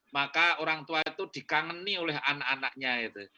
maka orang tua itu dikangani oleh anak anaknya gitu